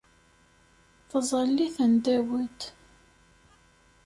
Taẓallit n Dawed.